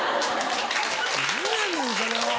何やねんそれは。